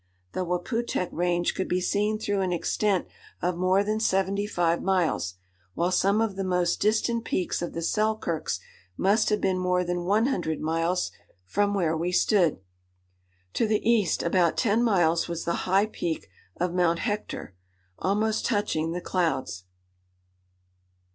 The Waputehk Range could be seen through an extent of more than seventy five miles, while some of the most distant peaks of the Selkirks must have been more than one hundred miles from where we stood. To the east about ten miles was the high peak of Mount Hector, almost touching the clouds.